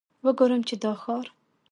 وګورم چې دا ښار.